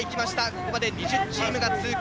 ここまで２０チームが通過。